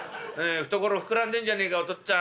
懐膨らんでんじゃねえかお父っつぁん。